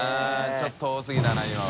ちょっと多すぎたな今は。